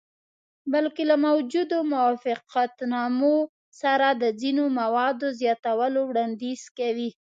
بلکې له موجودو موافقتنامو سره د ځینو موادو زیاتولو وړاندیز کوي.